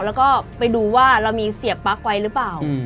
แล้วก็ไปดูว่าเรามีเสียปั๊กไว้หรือเปล่า